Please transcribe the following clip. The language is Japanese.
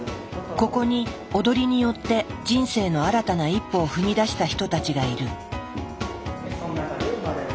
ここに踊りによって人生の新たな一歩を踏み出した人たちがいる。